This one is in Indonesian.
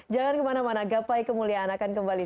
jangan kemana mana gapai kemuliaan akan kembali